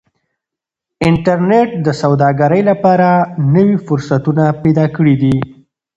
انټرنيټ د سوداګرۍ لپاره نوي فرصتونه پیدا کړي دي.